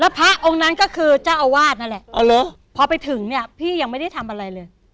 พระองค์นั้นก็คือเจ้าอาวาสนั่นแหละพอไปถึงเนี่ยพี่ยังไม่ได้ทำอะไรเลย